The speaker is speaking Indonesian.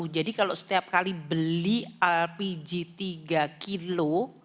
jadi kalau setiap kali beli lpg tiga kilo